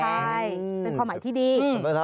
ใช่เป็นความหมายที่ดี